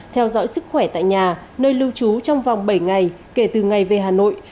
theo dõi sức khỏe tại nhà nơi lưu trú trong vòng bảy ngày kể từ ngày về hà nội